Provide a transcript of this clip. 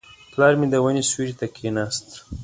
پلار مې د ونې سیوري ته کښېناست.